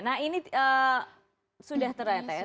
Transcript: nah ini sudah ternyata ya